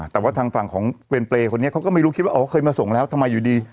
แต่ว่าทางฝั่งของเวรเปรย์คนนี้เขาก็ไม่รู้คิดว่าอ๋อเคยมาส่งแล้วทำไมอยู่ดี